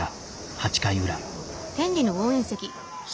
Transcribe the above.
８回裏。